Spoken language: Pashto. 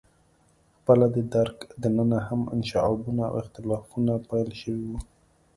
خپله د درګ دننه هم انشعابونه او اختلافونه پیل شوي وو.